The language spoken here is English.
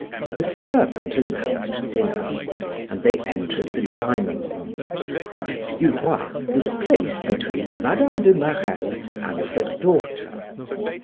The servant announced dinner, and they entered the dining room. Duroy was placed between Mme. de Marelle and her daughter.